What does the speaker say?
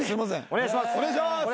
お願いします。